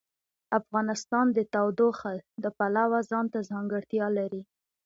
افغانستان د تودوخه د پلوه ځانته ځانګړتیا لري.